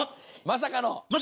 まさかの？